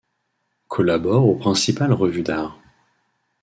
Collabore aux principales revues d'art.